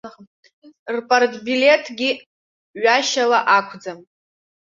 Рпартбилеҭгьы ҩашьара ақәӡам.